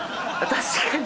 確かに。